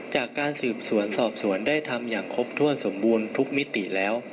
จากการสืบสวนสอบสวนได้ทำอย่างครบถ้วนสมบูรณ์ทุกมิติแล้ว